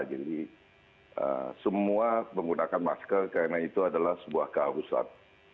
jadi semua menggunakan masker karena itu adalah sebuah keharusan